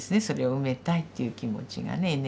それを埋めたいっていう気持ちがね